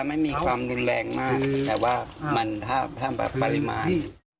ไม่มีความรุนแรงมากแต่ว่ามันถ้าแบบปริมาณ